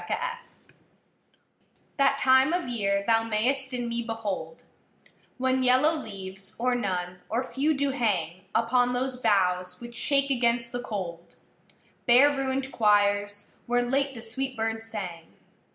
LXXIII That time of year thou mayst in me behold When yellow leaves, or none, or few, do hang Upon those boughs which shake against the cold, Bare ruinâd choirs, where late the sweet birds sang.